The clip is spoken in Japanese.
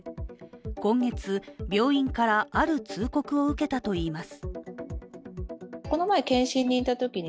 今月、病院から、ある通告を受けたといいます。